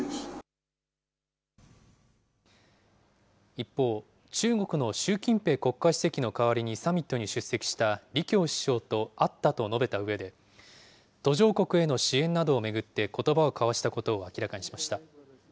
一方、中国の習近平国家主席の代わりにサミットに出席した李強首相と会ったと述べたうえで、途上国への支援などを巡って、ことばを交わしたことを明らかにしました。